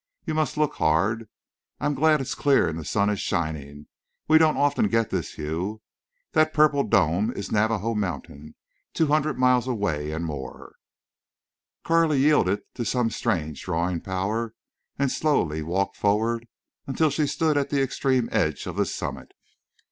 You must look hard. I'm glad it's clear and the sun is shining. We don't often get this view.... That purple dome is Navajo Mountain, two hundred miles and more away!" Carley yielded to some strange drawing power and slowly walked forward until she stood at the extreme edge of the summit.